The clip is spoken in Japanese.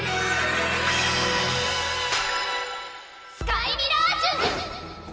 スカイミラージュ！